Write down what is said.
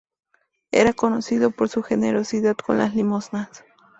Era conocido por su generosidad con las limosnas.